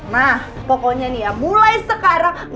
nah pokoknya nih ya mulai sekarang